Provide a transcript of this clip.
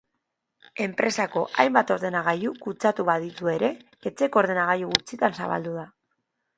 Enpresetako hainbat ordenagailu kutsatu baditu ere, etxeko ordenagailu gutxitan zabaldu da.